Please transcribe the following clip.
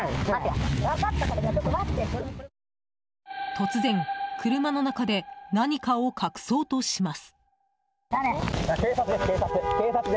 突然、車の中で何かを隠そうとします。